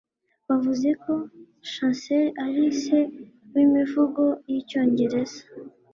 bavuze ko chaucer ari se w'imivugo yicyongereza